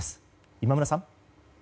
今村さん。